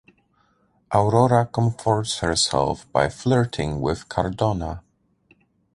Aurora comforts herself by flirting with Cardona.